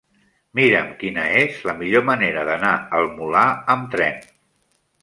Mira'm quina és la millor manera d'anar al Molar amb tren.